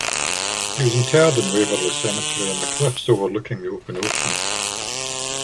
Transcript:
He was interred in Waverley Cemetery on the cliffs overlooking the open ocean.